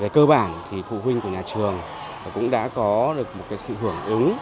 cơ bản thì phụ huynh của nhà trường cũng đã có được một sự hưởng ứng